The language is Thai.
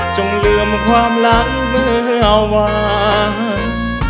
ลืมความหลังเมื่อวาน